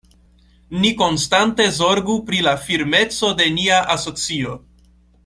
Ni konstante zorgu pri la firmeco de nia asocio.